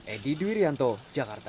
edi duirianto jakarta